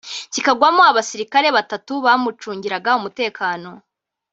kikagwamo abasirikare batutu bamucungiraga umutekano